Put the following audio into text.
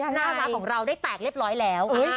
น่ารักของเราได้แตกเรียบร้อยแล้ว